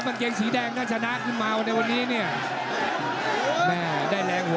พี่ปากวิชัยเอกไม่เปลี่ยนแผนแล้ว